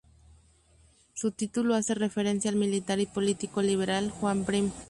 Su título hace referencia al militar y político liberal Juan Prim.